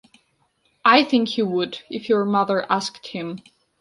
I think he would, if your mother asked him.